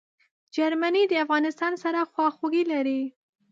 جرمني د افغانستان سره خواخوږي لري.